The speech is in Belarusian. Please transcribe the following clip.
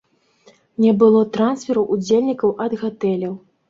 Не было трансферу ўдзельнікаў ад гатэляў.